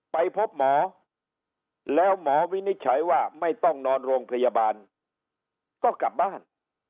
ไปพบหมอแล้วหมอวินิจฉัยว่าไม่ต้องนอนโรงพยาบาลก็กลับบ้าน